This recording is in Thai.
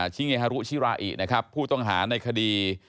ชิเงฮารุชิราอินะครับผู้ต้องหาในคดี